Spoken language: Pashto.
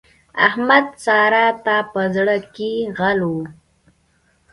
احمد؛ سارا ته په زړ کې غل وو.